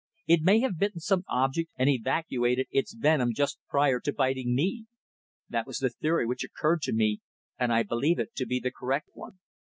It may have bitten some object and evacuated its venom just prior to biting me. That was the theory which occurred to me, and I believe it to be the correct one.